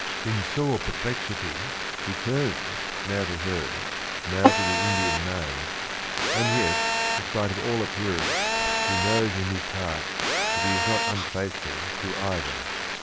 In sore perplexity he turns, now to her, now to the Indian maid, and yet in spite of all appearance he knows in his heart that he is not unfaithful to either.